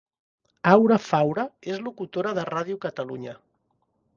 Aura Faura és locutora de ràdio Catalunya